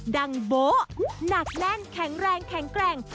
ดังโบ๊ะหนักแน่นแข็งแรงแข็งแกร่ง